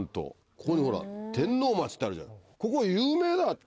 ここにほら天王町ってあるじゃん。